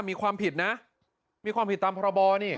มีความผิดนะมีความผิดตามพรบนี่